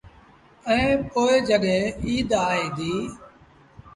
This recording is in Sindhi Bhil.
ائيٚݩ پو جڏهيݩ ايٚد آئي ديٚ۔